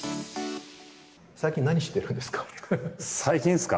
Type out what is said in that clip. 最近、何してるんですか？